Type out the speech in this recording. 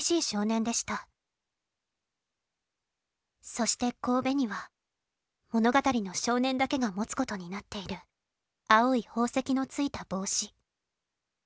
「そして頭には物語の少年だけがもつことになっている青い宝石のついた帽子。